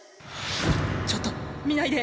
ちょっと見ないで。